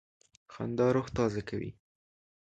خندا روح تازه کوي.